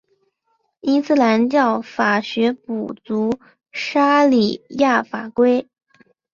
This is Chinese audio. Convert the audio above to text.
伊斯兰教法学补足沙里亚法规。